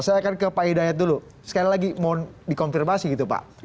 saya akan ke pak hidayat dulu sekali lagi mohon dikonfirmasi gitu pak